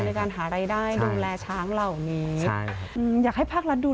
ในการหารายได้ดูแลช้างเหล่านี้